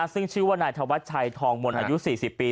ซึ่งชื่อว่านายธวัชชัยทองมนต์อายุ๔๐ปี